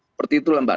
seperti itulah mbak